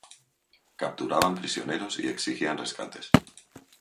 Capturaban prisioneros y exigían rescates.